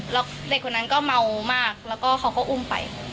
แล้วเด็กคนนั้นก็เมามากแล้วก็เขาก็อุ้มไป